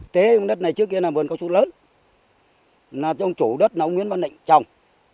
tế đất này trước kia là vườn có chút lớn là trong chủ đất là ông nguyễn văn định trồng